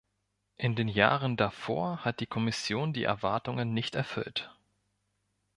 In den Jahren davor hat die Kommission die Erwartungen nicht erfüllt.